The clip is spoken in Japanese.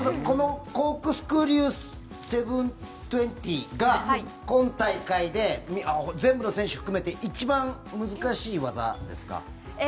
このコークスクリュー７２０が今大会で全部の選手を含めて一番難しい技ですか？